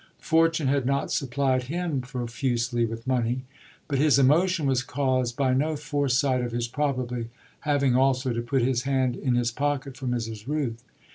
Fortune had not supplied him profusely with money, but his emotion was caused by no foresight of his probably having also to put his hand in his pocket for Mrs. Rooth.